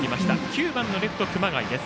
９番レフト、熊谷です。